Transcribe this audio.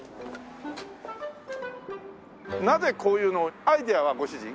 なぜこういうのをアイデアはご主人？